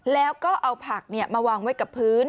แล้วก็เอาผักมาวางไว้กับพื้น